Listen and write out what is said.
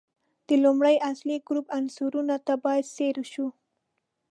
د لومړي اصلي ګروپ عنصرونو ته باید ځیر شو.